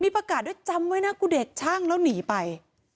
ประกาศด้วยจำไว้นะกูเด็กช่างแล้วหนีไป